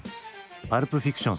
「パルプ・フィクション」